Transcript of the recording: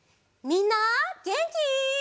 みんなげんき？